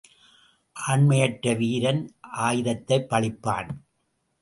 ஆண்மையற்ற வீரன் ஆயுதத்தைப் பழிப்பான்.